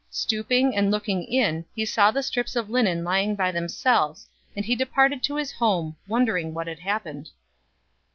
Stooping and looking in, he saw the strips of linen lying by themselves, and he departed to his home, wondering what had happened.